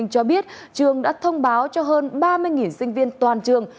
cho biết trường đã thông báo cho hơn ba mươi sinh viên toàn trường